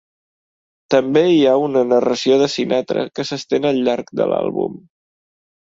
També hi ha una narració de Sinatra que s'estén al llarg de l'àlbum.